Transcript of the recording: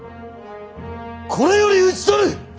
これより討ち取る！